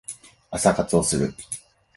朝活をする